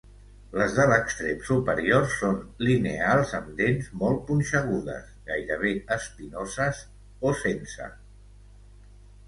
Les de l'extrem superior són lineals amb dents molt punxegudes, gairebé espinoses, o sense.